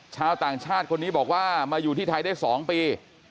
ชาวต่างชาติคนนี้บอกว่ามาอยู่ที่ไทยได้๒ปี